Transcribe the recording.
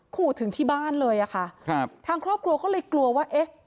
ขู่ถึงที่บ้านเลยอะค่ะครับทางครอบครัวก็เลยกลัวว่าเอ๊ะ